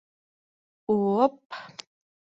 У-о-оп!